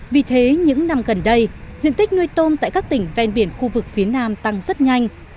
vì thế những năm gần đây diện tích nuôi tôm tại các tỉnh ven biển khu vực phía nam tăng rất nhanh